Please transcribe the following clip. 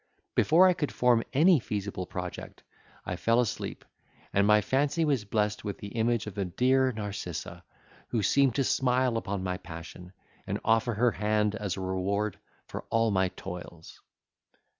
Before I could form any feasible project, I fell asleep, and my fancy was blest with the image of the dear Narcissa, who seemed to smile upon my passion, and offer her hand as a reward for all my toils.